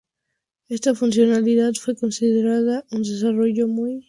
Esta funcionalidad fue considerada un desarrollo muy destacable en la industria de los sintetizadores.